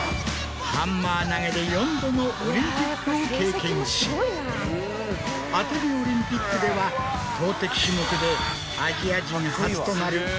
ハンマー投で４度のオリンピックを経験しアテネオリンピックでは投てき種目で。